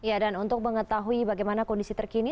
ya dan untuk mengetahui bagaimana kondisi terkini